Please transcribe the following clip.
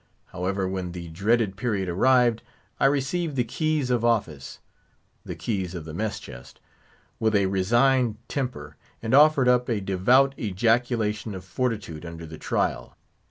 However, when the dreaded period arrived, I received the keys of office (the keys of the mess chest) with a resigned temper, and offered up a devout ejaculation for fortitude under the trial.